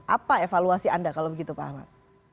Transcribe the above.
apa evaluasi anda kalau begitu pak ahmad